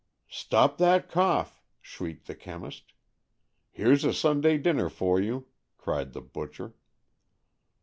'' Stop that cough !" shrieked the chemist. " Here's a Sunday dinner for you," cried the butcher.